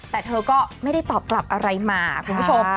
แต่เธอก็ไม่ได้ตอบกลับอะไรมาคุณผู้ชม